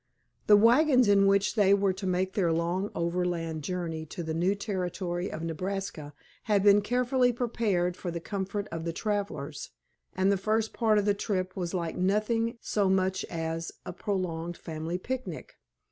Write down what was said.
The wagons in which they were to make their long overland journey to the new territory of Nebraska had been carefully prepared for the comfort of the travelers, and the first part of the trip was like nothing so much as a prolonged family picnic.